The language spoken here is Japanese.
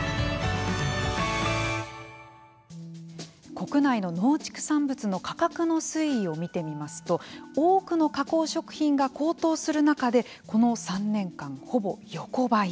国内の農畜産物の価格の推移を見てみますと多くの加工食品が高騰する中でこの３年間、ほぼ横ばい。